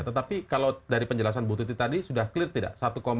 tetapi kalau dari penjelasan bu tuti tadi sudah clear tidak